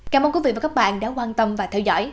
cảm ơn quý vị và các bạn đã quan tâm và theo dõi